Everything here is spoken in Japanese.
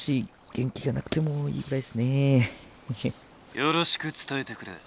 「よろしく伝えてくれ。